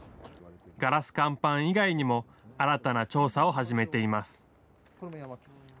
ガラス乾板以外にも新たな調査を始めています。